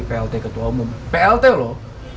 plt ketua umum plt loh